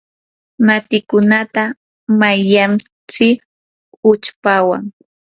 matikunata mayllantsik uchpawan.